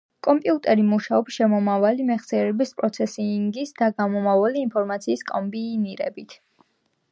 კომპიუტერი მუშაობს შემომავალი, მეხსიერების, პროცესინგის და გამომავალი ინფორმაციის კომბინირებით.